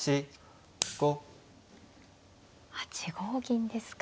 ８五銀ですか。